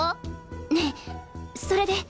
ねえそれで！？